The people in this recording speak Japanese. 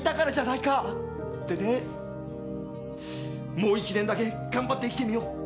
「もう１年だけ頑張って生きてみよう。